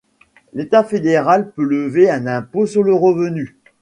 L'État fédéral peut lever un impôt sur le revenu.